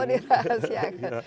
oh di atas ya